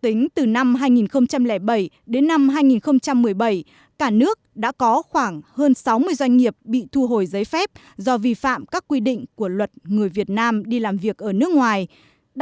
tính từ năm hai nghìn bảy đến năm hai nghìn một mươi bảy cả nước đã có khoảng hơn sáu mươi doanh nghiệp bị thu hồi giấy phép do vi phạm các quy định của luật người việt nam